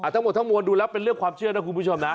ทั้งหมดทั้งมวลดูแล้วเป็นเรื่องความเชื่อนะคุณผู้ชมนะ